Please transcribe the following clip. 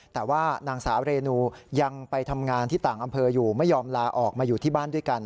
แต่ว่านางสาวเรนูยังไปทำงานที่ต่างอำเภออยู่ไม่ยอมลาออกมาอยู่ที่บ้านด้วยกัน